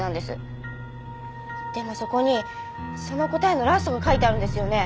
でもそこにその答えのラストが書いてあるんですよね。